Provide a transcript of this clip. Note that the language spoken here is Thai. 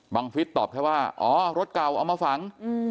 ฟิศตอบแค่ว่าอ๋อรถเก่าเอามาฝัง